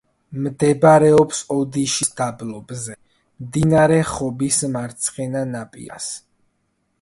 მდებარეობს ოდიშის დაბლობზე, მდინარე ხობის მარცხენა ნაპირას.